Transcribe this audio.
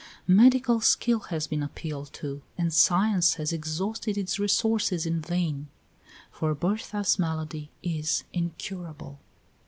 Medical skill has been appealed to, and science has exhausted its resources in vain, for Berta's malady is incurable.